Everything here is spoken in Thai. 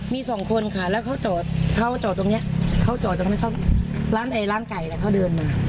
มี๒คนค่ะแล้วเขาจอดตรงนี้ร้านไก่เขาเดินมา